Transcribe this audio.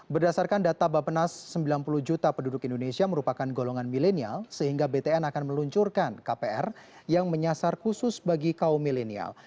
berdasarkan data bapenas sembilan puluh juta penduduk indonesia merupakan golongan milenial sehingga btn akan meluncurkan kpr yang menyasar khusus bagi kaum milenial